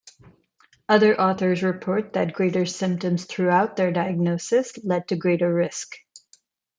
Other authors report that greater symptoms throughout their diagnosis led to greater risk.